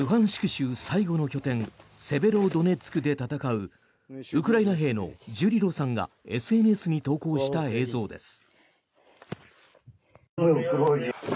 州最後の拠点セベロドネツクで戦うウクライナ兵のジュリロさんがＳＮＳに投稿した映像です。